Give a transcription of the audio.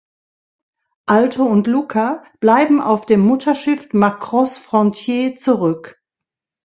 Alto und Luca bleiben auf dem Mutterschiff "Macross Frontier" zurück.